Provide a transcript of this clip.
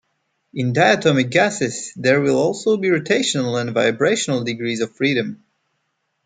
In diatomic gases there will also be rotational and vibrational degrees of freedom.